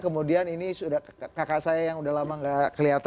kemudian ini sudah kakak saya yang udah lama gak kelihatan